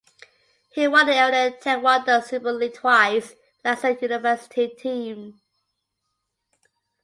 He won the Iranian Taekwondo Super League twice with Azad university team.